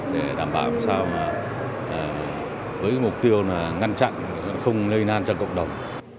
để đảm bảo sao với mục tiêu ngăn chặn không lây nan cho cộng đồng